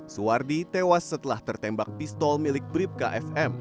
suwardi tewas setelah tertembak pistol milik brip kfm